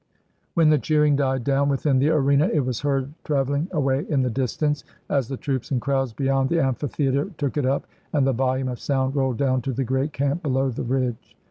When the cheering died down within the arena, it was heard trav eUng away in the distance as the troops and crowds beyond the amphitheater took it up, and the volume of sound rolled down to the great camp below the ridge.